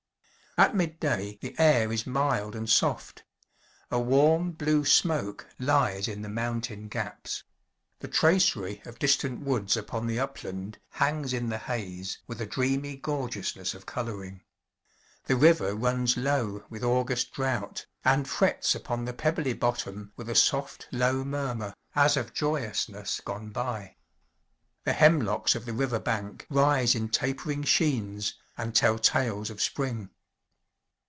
At mid day the air is mild and soft; a warm, blue smoke lies in the mountain gaps; the tracery of distant woods upon the upland hangs in the haze with a dreamy gorgeousness of coloring. The river runs low with August drought, and frets upon the pebbly bottom with a soft, low murmur, as of joyousness gone by. The hemlocks of the river bank rise in tapering sheens, and tell tales of Spring.